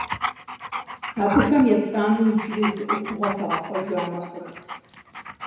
Абыхэм еплӏанэу иджыри зы ӏуэхугъуэ хэгъэхъуэжамэ хъунут.